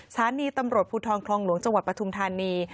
สถานีตำรวจภูทรคลองหลวงจังหวัดปทุมธานี